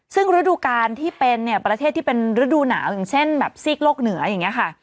ซึ่งฤดูกาลที่เป็นเนี่ยประเทศที่เป็นฤดูหนาวอย่างเช่นแบบซีกโลกเหนืออย่างนี้ค่ะ